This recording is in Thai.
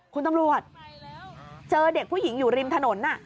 คุณตำรวจเจอเด็กผู้หญิงอยู่ริมถนน